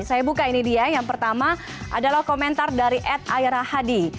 saya buka ini dia yang pertama adalah komentar dari ed aira hadi